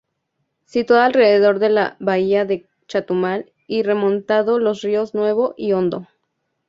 Situada alrededor de la bahía de Chetumal y remontando los ríos Nuevo y Hondo.